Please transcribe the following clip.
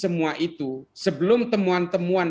semua itu sebelum temuan temuan